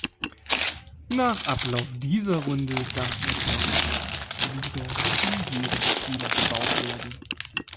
Nach Ablauf dieser Runde darf der Block wieder von jedem Spieler bebaut werden.